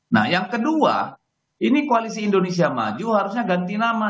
nah yang kedua ini koalisi indonesia maju harusnya ganti nama